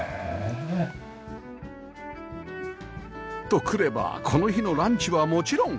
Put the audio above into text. と来ればこの日のランチはもちろん